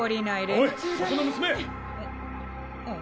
おいそこの娘！ん？